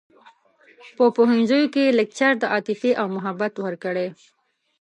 په پوهنځیوکې لکچر د عاطفې او محبت ورکړی